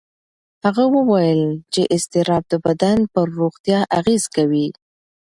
هغه وویل چې اضطراب د بدن پر روغتیا اغېز کوي.